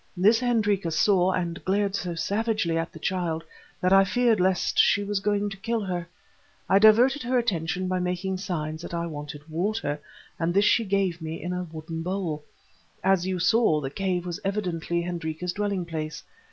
This Hendrika saw and glared so savagely at the child that I feared lest she was going to kill her. I diverted her attention by making signs that I wanted water, and this she gave me in a wooden bowl. As you saw, the cave was evidently Hendrika's dwelling place.